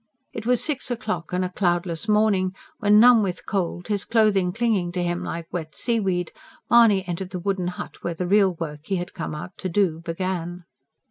It was six o'clock and a cloudless morning when, numb with cold, his clothing clinging to him like wet seaweed, Mahony entered the wooden hut where the real work he had come out to do began.